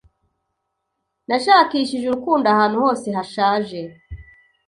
Nashakishije urukundo ahantu hose hashaje